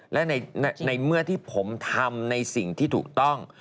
และในเมื่อที่ผมทำในสิ่งที่ถูกต้อง